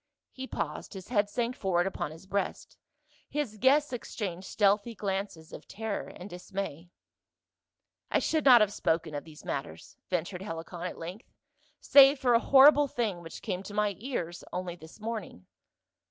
He paused, his head sank forward upon his breast. His guests exchanged stealthy glances of terror and dismay CAWS, THE GOD. 157 " I should not have spoken of these matters," ven tured HeHcon at length, "save for a horrible thing which came to my ears only this morning."